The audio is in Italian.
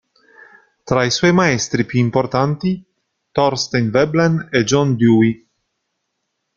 Tra i suoi maestri più importanti: Thorstein Veblen e John Dewey.